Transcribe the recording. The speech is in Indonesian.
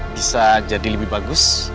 bisa jadi lebih bagus